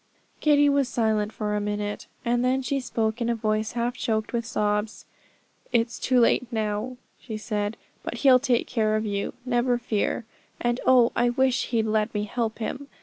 Kitty was silent for a minute, and then she spoke in a voice half choked with sobs. 'It's too late now,' she said, 'but He'll take care of you, never fear; and oh! I wish He'd let me help Him.